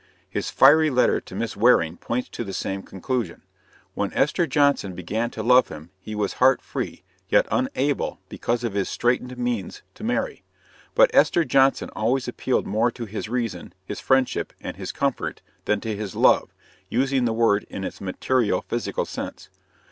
His fiery letter to Miss Waring points to the same conclusion. When Esther Johnson began to love him he was heart free, yet unable, because of his straitened means, to marry. But Esther Johnson always appealed more to his reason, his friendship, and his comfort, than to his love, using the word in its material, physical sense.